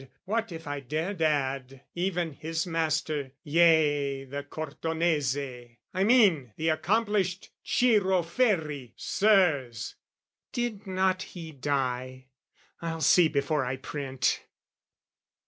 what if I dared add, Even his master, yea the Cortonese, I mean the accomplished Ciro Ferri, Sirs! ( Did not he die? I'll see before I print.)